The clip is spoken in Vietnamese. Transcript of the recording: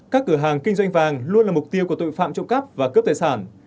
các cửa hàng kinh doanh vàng luôn là mục tiêu của tội phạm trộm cắp và cướp tài sản